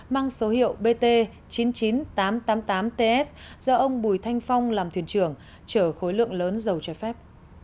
mang số hiệu bt chín mươi chín nghìn tám trăm tám mươi tám ts do ông bùi thanh phong làm thuyền trưởng chở khối lượng lớn dầu trái phép